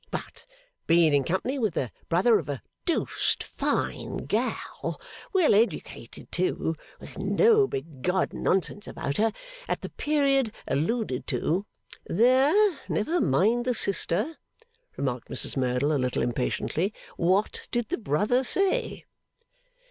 But being in company with the brother of a doosed fine gal well educated too with no biggodd nonsense about her at the period alluded to ' 'There! Never mind the sister,' remarked Mrs Merdle, a little impatiently. 'What did the brother say?